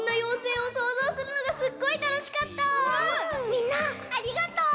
みんなありがとう！